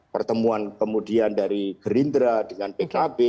pertemuan kemudian dari gerindra dengan pkb